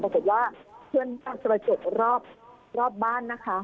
ปรากฏว่าเป็นระจกรอบบ้าน